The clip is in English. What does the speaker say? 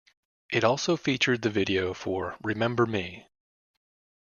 It also featured the video for "Remember Me".